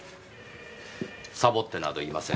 さぼってなどいません。